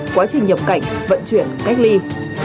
quá trình nhập cảnh vận chuyển cách ly